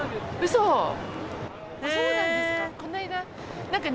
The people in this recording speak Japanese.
そうなんですか。